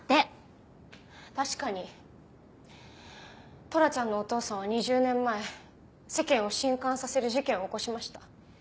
確かにトラちゃんのお父さんは２０年前世間を震撼させる事件を起こしました。